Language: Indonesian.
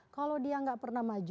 kalau dia nggak pernah maju